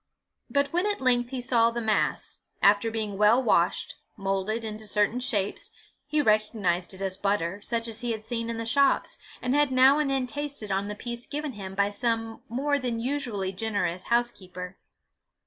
But when at length he saw the mass, after being well washed, moulded into certain shapes, he recognized it as butter, such as he had seen in the shops, and had now and then tasted on the piece given him by some more than usually generous housekeeper.